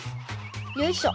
よいしょ。